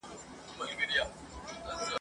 نه به اوري څوك فرياد د مظلومانو !.